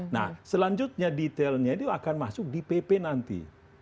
nah selanjutnya detailnya itu akan masuk di pp nanti